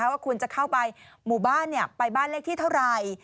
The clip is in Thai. ว่าคุณจะเข้าไปหมู่บ้านไปบ้านเลขที่เท่าไหร่